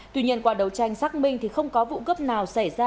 tuy nhiên qua đấu tranh xác minh thì không có vụ cướp nào xảy ra